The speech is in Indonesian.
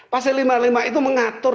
pasal lima puluh lima itu mengatur